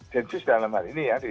densus dalam hal ini ya